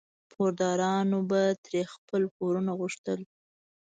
پوردارانو به ترې خپل پورونه غوښتل.